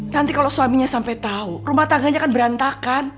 nanti kalau suaminya sampai tahu rumah tangganya kan berantakan